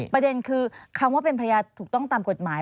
ประเด็นคือคำว่าเป็นภรรยาถูกต้องตามกฎหมาย